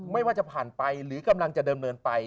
ไม่ว่าจะผ่านไปหรือกำลังจะเดิมเนินไป